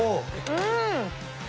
うん！